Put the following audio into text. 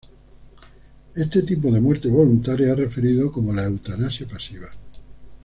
Este tipo de muerte voluntaria es referido como la eutanasia pasiva.